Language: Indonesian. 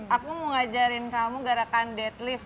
aku mau ngajarin kamu gerakan deadlift